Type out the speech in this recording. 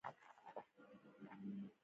هسې دې بې غيرتانو له په غوسه وم.